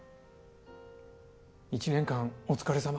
１年間お疲れさま。